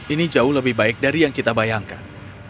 ini jauh lebih baik dari yang kita bayangkan